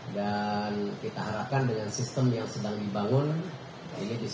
dan kita harapkan dengan sistem yang sedang dibangun ini bisa terjaga mudah mudahan